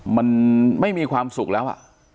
มันไม่มีความสุขแล้ว